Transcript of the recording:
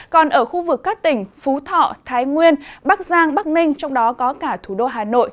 còn ở khu vực các tỉnh phú thọ thái nguyên bắc giang bắc ninh trong đó có cả thủ đô hà nội